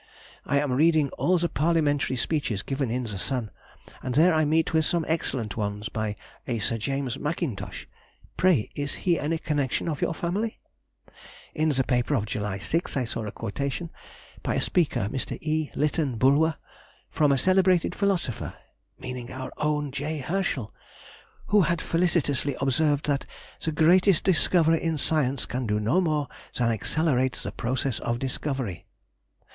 I am reading all the Parliamentary speeches as given in The Sun, and there I meet with some excellent ones by a Sir James Mackintosh; pray is he any connexion of your family? In the paper of July 6th I saw a quotation (by a speaker, Mr. E. Lytton Bulwer,) from a celebrated philosopher (meaning our own J. Herschel) who had felicitously observed that "the greatest discoverer in science can do no more than accelerate the progress of discovery."...